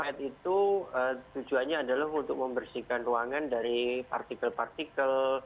jadi memang air purified itu tujuannya adalah untuk membersihkan ruangan dari partikel partikel